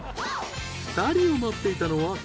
２人を待っていたのは。